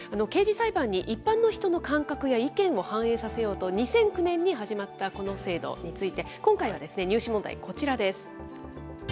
刑事裁判に一般の人の感覚や意見を反映させようと２００９年に始まったこの制度について、今回の入試問題、こちらです。